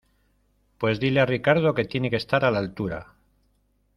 pues dile a Ricardo que tiene que estar a la altura